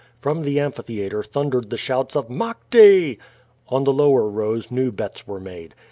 From the amphitheatre thundered the shouts of *'Maete!" On the lower rows new bets were made.